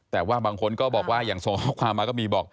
แต่ว่าบางคนก็บอกว่าอย่างส่งข้อความมาก็มีบอก